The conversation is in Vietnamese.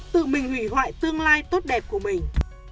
tự mình hủy hoại tương lai tốt đẹp của mình